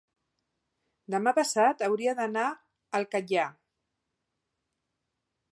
demà passat hauria d'anar al Catllar.